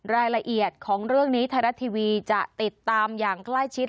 รายละเอียดของเรื่องนี้ไทยรัฐทีวีจะติดตามอย่างใกล้ชิด